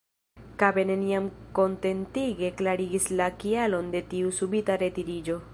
Kabe neniam kontentige klarigis la kialon de tiu subita retiriĝo.